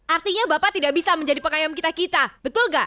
artinya bapak tidak bisa menjadi pekayaan kita kita betul nggak